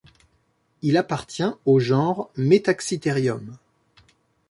Il appartient au genre Metaxytherium.